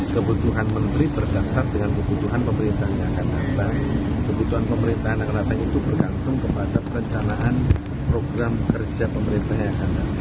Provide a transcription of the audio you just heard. keputuhan pemerintahan yang akan datang itu bergantung kepada perencanaan program kerja pemerintah yang akan datang